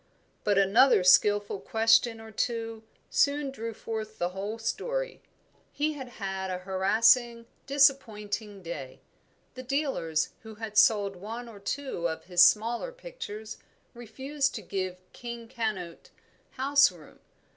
But another skilful question or two soon drew forth the whole story. He had had a harassing, disappointing day. The dealers who had sold one or two of his smaller pictures refused to give "King Canute" house room.